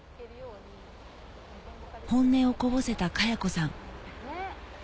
本音をこぼせたかや子さん